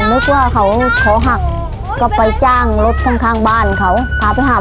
นึกว่าเค้าขอหักก็ไปจ้างรถข้างบ้านเค้าพาไปหาหมอ